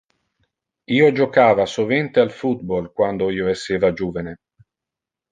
Io jocava sovente al football quando io esseva juvene.